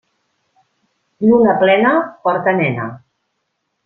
Lluna plena, porta nena.